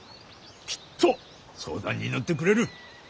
きっと相談に乗ってくれる。